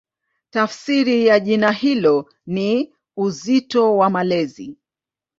Tafsiri ya jina hilo ni "Uzito wa Malezi".